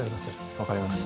わかりました。